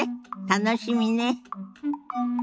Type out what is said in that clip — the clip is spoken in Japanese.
楽しみね。